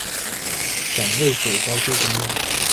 蔣渭水高速公路